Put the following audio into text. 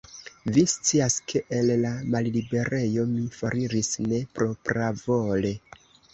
Vi scias, ke el la malliberejo mi foriris ne propravole.